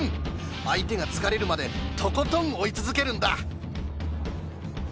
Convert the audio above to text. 相手が疲れるまでとことん追い続けるんだ。